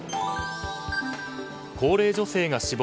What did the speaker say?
高齢女性が死亡。